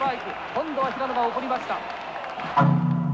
今度は平野が怒りました。